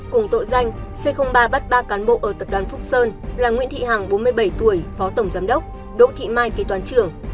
cùng tội danh c ba bắt ba cán bộ ở tập đoàn phúc sơn là nguyễn thị hằng bốn mươi bảy tuổi phó tổng giám đốc đỗ thị mai kế toán trưởng